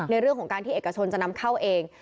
ในเรื่องของการที่เอกชนจะนำเข้าเอง